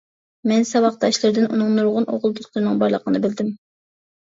مەن ساۋاقداشلىرىدىن ئۇنىڭ نۇرغۇن ئوغۇل دوستلىرىنىڭ بارلىقىنى بىلدىم.